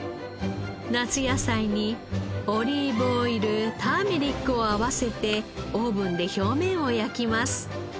夏野菜にオリーブオイルターメリックを合わせてオーブンで表面を焼きます。